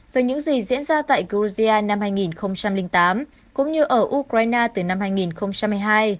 về những gì diễn ra tại georgia năm hai nghìn tám cũng như ở ukraine từ năm hai nghìn một mươi hai